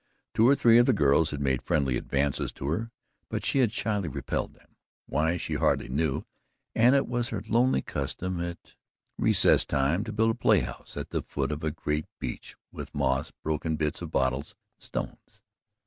Two or three of the girls had made friendly advances to her, but she had shyly repelled them why she hardly knew and it was her lonely custom at recess times to build a play house at the foot of a great beech with moss, broken bits of bottles and stones.